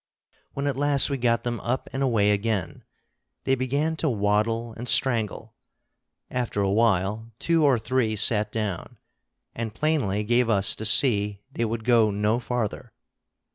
When at last we got them up and away again, they began to waddle and strangle; after a while two or three sat down, and plainly gave us to see they would go no farther.